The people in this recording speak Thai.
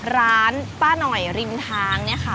ร้านป้าหน่อยริมทางเนี่ยค่ะ